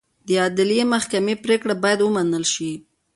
د عدلي محکمې پرېکړې باید ومنل شي.